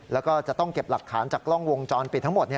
แล้วก็จะต้องเก็บหลักฐานจากกล้องวงจรปิดทั้งหมด